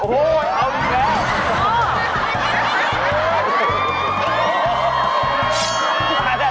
โอ้โหเอาอีกแล้ว